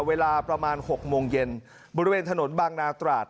เวลาประมาณ๖โมงเย็นบริเวณถนนบางนาตราด